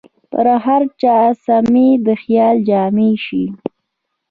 پر هر چا سمې د خیال جامې شي